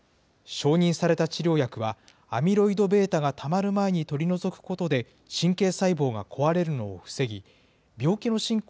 承認された治療薬は、アミロイドβがたまる前に取り除くことで神経細胞が壊れるのを防ぎ、病気の進行